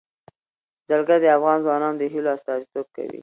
جلګه د افغان ځوانانو د هیلو استازیتوب کوي.